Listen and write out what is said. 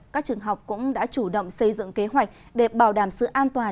các trường học cũng đã chủ động xây dựng kế hoạch để bảo đảm sự an toàn